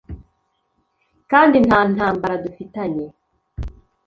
kandi nta ntambara dufitanye